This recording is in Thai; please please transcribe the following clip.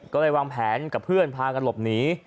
ก็เลยวางแผนกับเพื่อนพากันหลบหนี